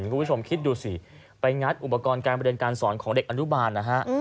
คุณผู้ชมคิดดูสิไปงัดอุปกรณ์การบริเวณการสอนของเด็กอนุบาลนะฮะ